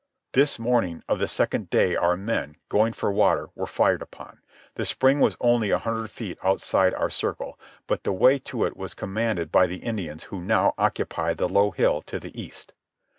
This morning of the second day our men, going for water, were fired upon. The spring was only a hundred feet outside our circle, but the way to it was commanded by the Indians who now occupied the low hill to the east.